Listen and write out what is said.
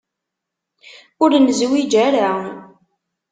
Ur nezwiǧ ara.